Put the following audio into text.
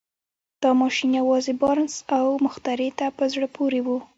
دا ماشين يوازې بارنس او مخترع ته په زړه پورې و.